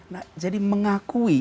nah jadi mengakui